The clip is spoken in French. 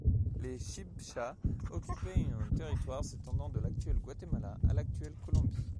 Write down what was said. Les Chibchas occupaient un territoire s'étendant de l'actuel Guatemala à l'actuelle Colombie.